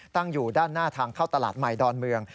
ตั้งอยู่ด้านหน้าทางเข้าตลาดใหม่ดอนเมือง